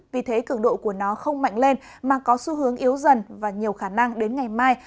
vì thế cường độ của nó không mạnh lên mà có xu hướng yếu dần và nhiều khả năng đến ngày mai